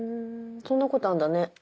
そんなことあんだね。